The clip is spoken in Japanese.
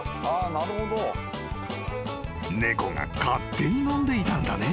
［猫が勝手に飲んでいたんだね］